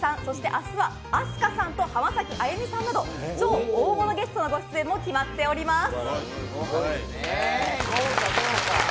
明日はＡＳＫＡさんと浜崎あゆみさんなど超大物ゲストのご出演が決まっています。